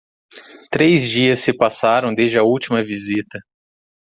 Três dias se passaram, desde a última visita.